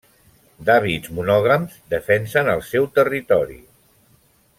D'hàbits monògams, defensen el seu territori.